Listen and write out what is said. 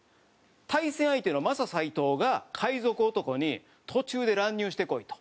対戦相手のマサ斎藤が海賊男に途中で乱入してこいと。